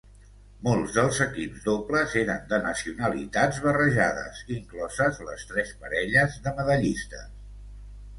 Molts dels equips dobles eren de nacionalitats barrejades, incloses les tres parelles de medallistes.